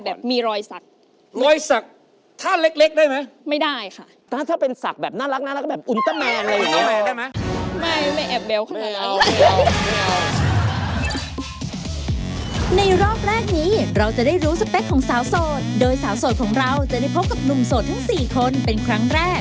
แล้วก็แบบยิ้มหวานนะคะ